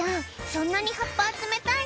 そんなに葉っぱ集めたいの？」